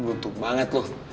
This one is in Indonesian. butuh banget lu